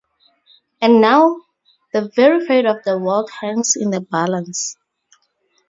And now, the very fate of the world hangs in the balance.